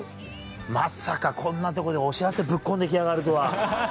まさかこんなとこでお知らせぶっ込んで来やがるとは。